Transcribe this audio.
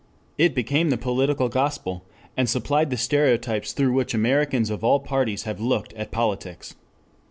It became the political gospel, and supplied the stereotypes through which Americans of all parties have looked at politics.